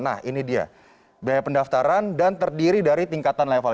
nah ini dia biaya pendaftaran dan terdiri dari tingkatan level